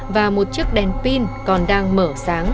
và một chiếc đèn pin còn đang mở sáng